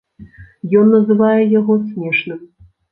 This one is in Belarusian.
Ён называе яго смешным.